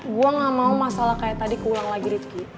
gue gak mau masalah kayak tadi keulang lagi ritki